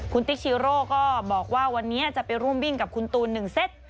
คุณติ๊กชีโร่ก็บอกว่าวันนี้จะไปร่วมวิ่งกับคุณตูน๑เซต